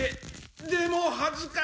でもはずかしい！